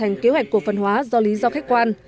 hoàn thành kế hoạch của phần hóa do lý do khách quan